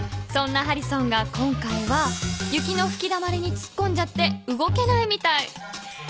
そんなハリソンが今回は雪のふきだまりにつっこんじゃって動けないみたい。